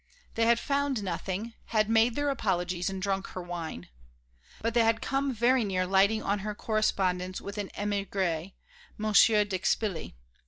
They had found nothing, had made their apologies and drunk her wine. But they had come very near lighting on her correspondence with an émigré, Monsieur d'Expilly.